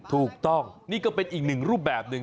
ถูกต้องนี่ก็เป็นอีกหนึ่งรูปแบบหนึ่ง